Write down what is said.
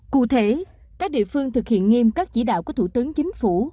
cụ thể các địa phương thực hiện nghiêm các chỉ đạo của thủ tướng chính phủ